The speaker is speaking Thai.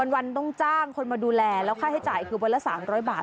วันต้องจ้างคนมาดูแลแล้วค่าใช้จ่ายคือวันละ๓๐๐บาท